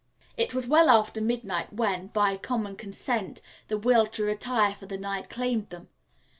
It was well after midnight when, by common consent, the will to retire for the night claimed them.